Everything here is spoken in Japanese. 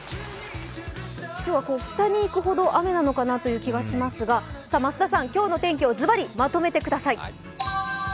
今日は北に行くほど雨なのかなという気がしますが増田さん、今日の天気をズバリまとめてください。